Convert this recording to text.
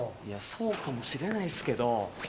そうかもしれないっすけど。